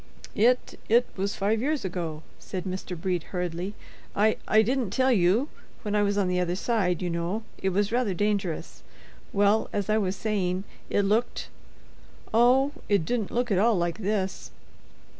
"It—it was five years ago," said Mr. Brede, hurriedly. "I—I didn't tell you—when I was on the other side, you know—it was rather dangerous—well, as I was saying—it looked—oh, it didn't look at all like this."